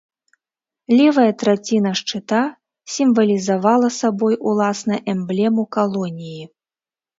Левая траціна шчыта сімвалізавала сабой уласна эмблему калоніі.